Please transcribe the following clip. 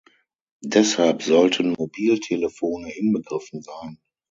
Deshalb sollten Mobiltelefone inbegriffen sein.